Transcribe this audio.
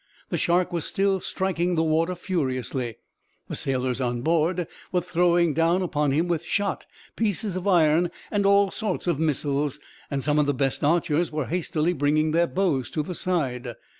The shark was still striking the water furiously, the sailors on board were throwing down upon him shot, pieces of iron, and all sorts of missiles, and some of the best archers were hastily bringing their bows to the side.